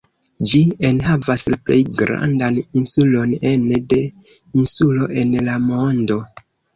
Ĝi enhavas la plej grandan insulon ene de insulo en la mondo.